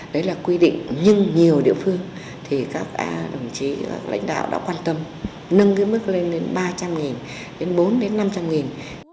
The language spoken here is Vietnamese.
đấy là quy định nhưng nhiều địa phương thì các đồng chí và các lãnh đạo đã quan tâm nâng cái mức lên đến ba trăm linh đến bốn trăm linh đến năm trăm linh